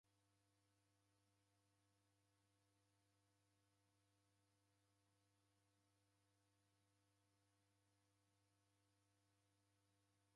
Nguw'o yaw'eoma mboa mboa.